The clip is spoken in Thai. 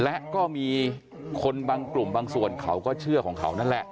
และก็มีคนบางกลุ่มบางส่วนเขาก็เชื่อของเขานั่นแหละ